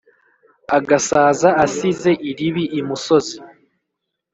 Agasaza asize iribi imusozi.